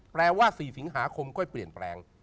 แปลว่า๔สิงหาคมค่อยเปลี่ยนแปลง